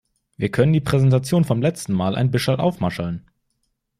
Wir können die Präsentation vom letzen Mal ein bisserl aufmascherln.